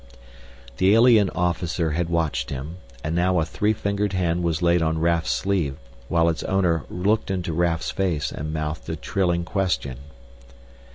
The alien officer had watched him, and now a three fingered hand was laid on Raf's sleeve while its owner looked into Raf's face and mouthed a trilling question.